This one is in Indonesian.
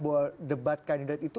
bahwa debat kandidat itu